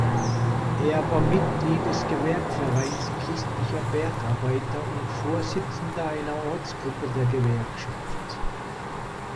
Er war Mitglied des "Gewerkvereins christlicher Bergarbeiter" und Vorsitzender einer Ortsgruppe der Gewerkschaft.